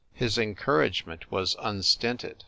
His encouragement was unstinted.